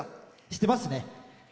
してますね。